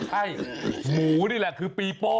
ใช่หมูนี่แหละคือปีโป้